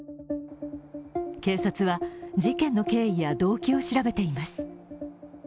警察は事件の経緯や動機を調べています。